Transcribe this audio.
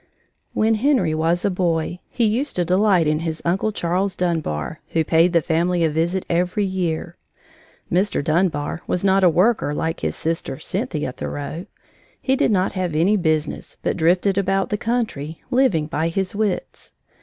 When Henry was a boy, he used to delight in his Uncle Charles Dunbar, who paid the family a visit every year. Mr. Dunbar was not a worker like his sister, Cynthia Thoreau. He did not have any business but drifted about the country, living by his wits.